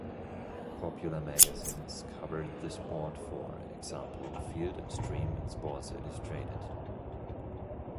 Popular magazines covered the sport-for example, Field and Stream and Sports Illustrated.